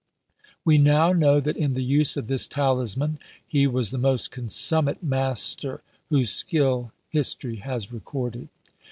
We now know that in the use of this talisman he was the most consummate master whose skill his tory has recorded.